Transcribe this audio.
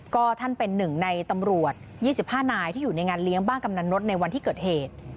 ก็ท่านเป็นหนึ่งในตำรวจ๒๕นายที่อยู่ในงานเลี้ยงบ้านกำนันนดในวันที่เกิดเหตุ